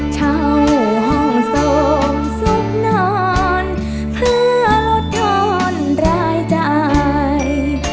เช่าห้องโสมสุขนอนเพื่อลดทอนรายจ่าย